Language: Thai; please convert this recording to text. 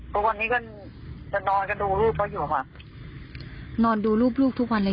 เพราะวันนี้ก็จะนอนกันดูรูปเค้าอยู่